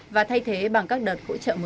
và thay thế bằng các đợt